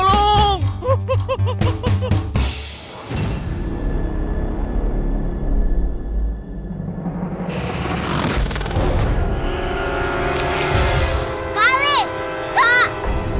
iyan manicurer atau